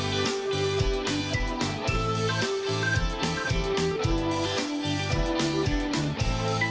สวัสดีค่ะ